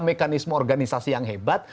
mekanisme organisasi yang hebat